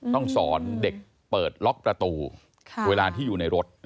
ต้องสอนเด็กเปิดล็อกประตูเวลาที่อยู่ในรถ